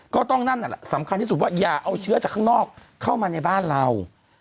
นั่นแหละสำคัญที่สุดว่าอย่าเอาเชื้อจากข้างนอกเข้ามาในบ้านเรา